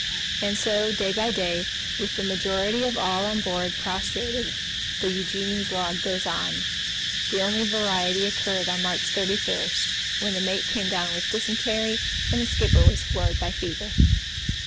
And so, day by day, with the majority of all on board prostrated, the Eugenie's log goes on. The only variety occurred on March 31, when the mate came down with dysentery and the skipper was floored by fever.